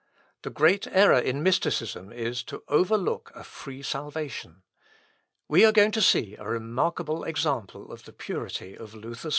The great error in mysticism is, to overlook a free salvation. We are going to see a remarkable example of the purity of Luther's faith.